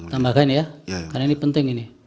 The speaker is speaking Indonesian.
tambahkan ya karena ini penting ini